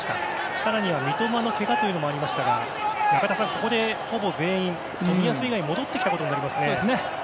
更には三笘のけがもありましたが中田さん、ここでほぼ全員が冨安以外は戻ってきたことになりますね。